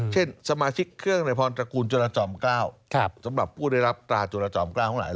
เช่นสมาชิกเครื่องบริษัทจุลจอมเกล้า